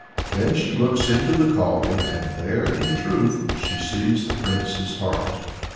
Then she looks into the cauldron, and there, in truth, she sees the Prince's heart.